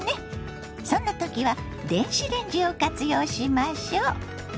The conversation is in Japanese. そんな時は電子レンジを活用しましょ。